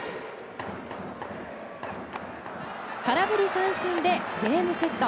空振り三振でゲームセット。